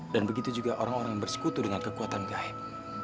dan begitu juga orang orang yang bersekutu dengan kekuatan gaib